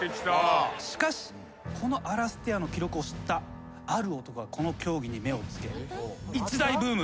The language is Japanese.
しかしこのアラステアの記録を知ったある男がこの競技に目を付け。